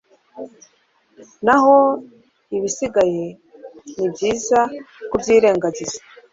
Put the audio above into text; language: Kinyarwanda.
naho ibisigaye nibyiza kubyirengagiza